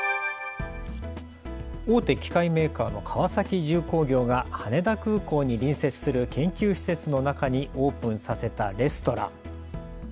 大手機械メーカーの川崎重工業が羽田空港に隣接する研究施設の中にオープンさせたレストラン。